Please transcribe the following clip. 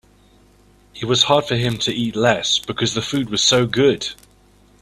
It was hard for him to eat less because the food was so good.